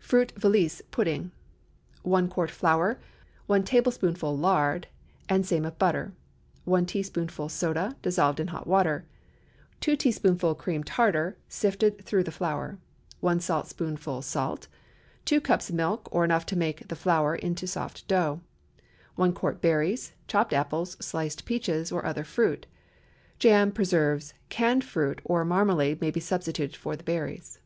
FRUIT VALISE PUDDING. ✠ 1 quart flour. 1 tablespoonful lard, and same of butter. 1 teaspoonful soda, dissolved in hot water. 2 teaspoonful cream tartar—sifted through the flour. 1 saltspoonful salt. 2 cups milk, or enough to make the flour into soft dough. 1 quart berries, chopped apples, sliced peaches, or other fruit; jam, preserves, canned fruit, or marmalade may be substituted for the berries.